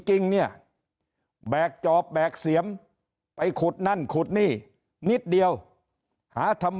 จริงเนี่ยแบกจอบแบกเสียมไปขุดนั่นขุดนี่นิดเดียวหาทำ